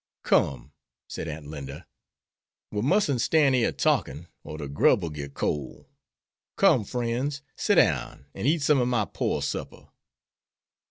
"Come," said Aunt Linda, "we mustn't stan' yer talkin', or de grub'll git cole. Come, frens, sit down, an' eat some ob my pore supper."